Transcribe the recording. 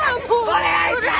お願いします！